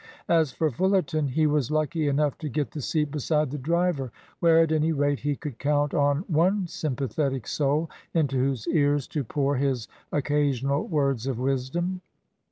As for Fullerton, he was lucky enough to get the seat beside the driver, where, at any rate, he could count on one sympathetic soul into whose ears to pour his occasional words of wisdom.